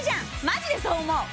マジでそう思う！